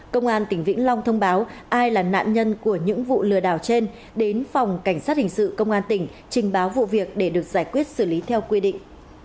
công an tỉnh vĩnh long thông báo ai là nạn nhân của những vụ lừa đảo trên đến phòng cảnh sát hình sự công an tỉnh trình báo vụ việc để được giải quyết xử lý theo quy định